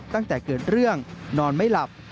ตั้งแต่เกิดเรื่องนอนไม่หลับ